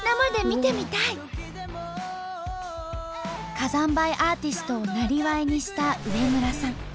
火山灰アーティストを生業にした植村さん。